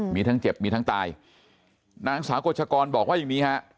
มีทั้งเจ็บมีทั้งตายนางสาวกฎชกรบอกว่าอย่างนี้ฮะ